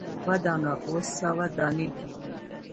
یوه دانه اووه سوه دانې کیږي.